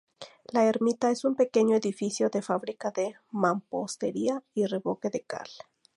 La ermita es un pequeño edificio de fábrica de mampostería y revoque de cal.